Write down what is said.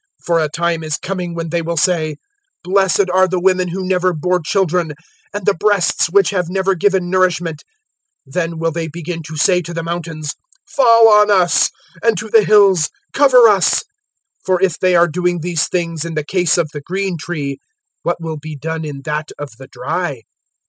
023:029 For a time is coming when they will say, `Blessed are the women who never bore children, and the breasts which have never given nourishment.' 023:030 Then will they begin to say to the mountains, `Fall on us;' and to the hills, `Cover us.' 023:031 For if they are doing these things in the case of the green tree, what will be done in that of the dry?"